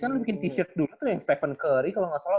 kan lo bikin t shirt dulu tuh yang stephen curry kalau gak salah